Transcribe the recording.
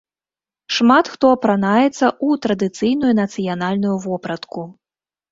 Шмат хто апранаецца ў традыцыйную нацыянальную вопратку.